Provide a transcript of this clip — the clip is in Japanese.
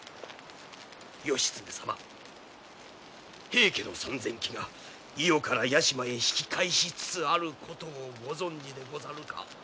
平家の３，０００騎が伊予から屋島へ引き返しつつあることをご存じでござるか？